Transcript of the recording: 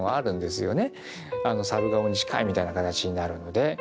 猿顔に近いみたいな形になるので。